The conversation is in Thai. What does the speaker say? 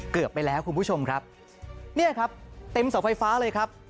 เกือบไปแล้วคุณผู้ชมครับเนี่ยครับเต็มเสาไฟฟ้าเลยครับ